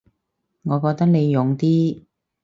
我覺得你勇啲